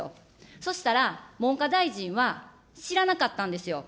そしたら文科大臣は、知らなかったんですよ。